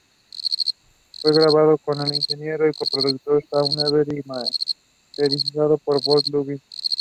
Fue grabado con el ingeniero y co-productor Shawn Everett y masterizado por Bob Ludwig.